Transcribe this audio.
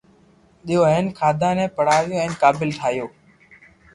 ديئو ھين ڪانا ني پڙاويو ھين قابل ٺايو